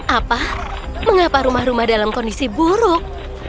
apa mengapa rumah rumah dalam kondisi buruk